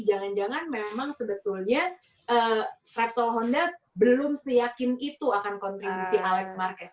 jangan jangan memang sebetulnya repsol honda belum seyakin itu akan kontribusi alex marquez